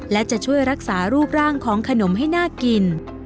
และจะช่วยรักษารูปร่างของขนมให้น่ากิน